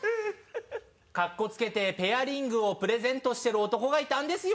かっこつけてペアリングをプレゼントしてる男がいたんですよ。